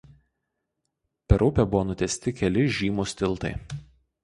Per upę buvo nutiesti keli žymūs tiltai.